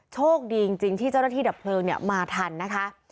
โชคดีจริงที่เจ้าหน้าที่ดับเพลิงมาทันนะคะ